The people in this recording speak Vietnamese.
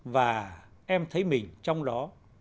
và em thấy mình trong đó